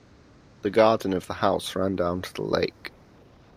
The garden of the house ran down to the lake.